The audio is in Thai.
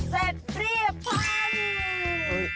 เสร็จเรียบร้อย